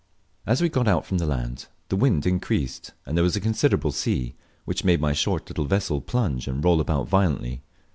As we got out from the land the wind increased, and there was a considerable sea, which made my short little vessel plunge and roll about violently.